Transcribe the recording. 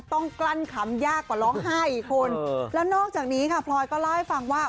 กลั้นขำยากกว่าร้องไห้อีกคุณแล้วนอกจากนี้ค่ะพลอยก็เล่าให้ฟังว่า